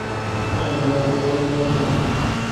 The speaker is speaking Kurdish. Em berdewam nakin.